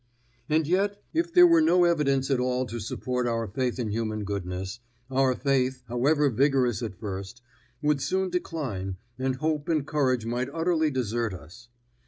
And yet if there were no evidence at all to support our faith in human goodness, our faith, however vigorous at first, would soon decline, and hope and courage might utterly desert us.